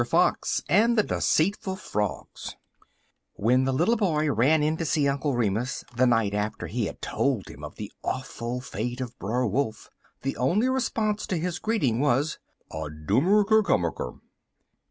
FOX AND THE DECEITFUL FROGS WHEN the little boy ran in to see Uncle Remus the night after he had told him of the awful fate of Brer Wolf, the only response to his greeting was: "I doom er ker kum mer ker!"